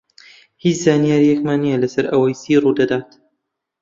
هیچ زانیارییەکمان نییە لەسەر ئەوەی چی ڕوو دەدات.